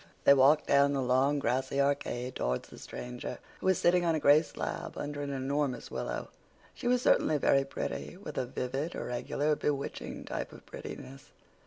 They walked down the long grassy arcade towards the stranger, who was sitting on a gray slab under an enormous willow. She was certainly very pretty, with a vivid, irregular, bewitching type of prettiness.